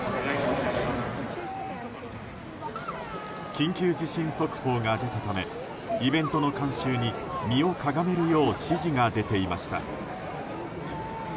緊急地震速報が出たためイベントの観衆に身をかがめるよう指示が出ていました。